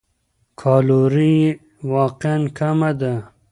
کالوري یې واقعاً کمه ده.